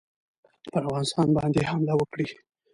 پر افغانستان باندي حمله وکړي.